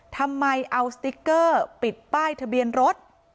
ทำไมเอาสติ๊กเกอร์ปิดป้ายทะเบียนรถ